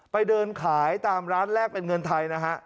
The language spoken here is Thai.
ไปเดินขายตามร้านแรกเป็นเงินไทยนะฮะ